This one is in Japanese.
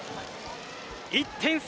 １点差。